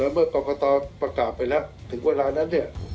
แล้วเมื่อกรกตประกาศไปแล้วถึงเวลานั้น